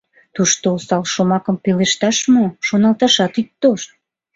Тушто осал шомакым пелешташ мо, шоналташат ит тошт!